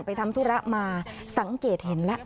ทำธุระมาสังเกตเห็นแล้ว